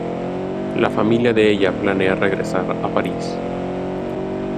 La familia de ella planea regresar a París.